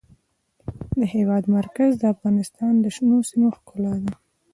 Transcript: د هېواد مرکز د افغانستان د شنو سیمو ښکلا ده.